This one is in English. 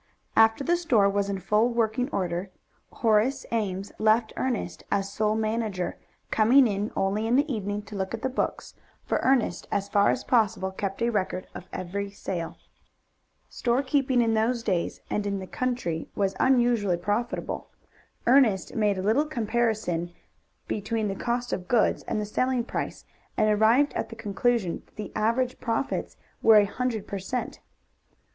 After the store was in full working order, Horace Ames left Ernest as sole manager, coming in only in the evening to look at the books, for Ernest as far as possible kept a record of every sale. Storekeeping in those days and in that country was unusually profitable. Ernest made a little comparison between the cost of goods and the selling price, and arrived at the conclusion that the average profits were a hundred per cent.